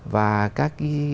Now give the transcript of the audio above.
và các cái